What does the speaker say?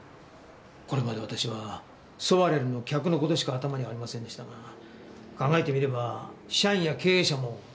これまで私はソワレルの客の事しか頭にありませんでしたが考えてみれば社員や経営者も対象者です。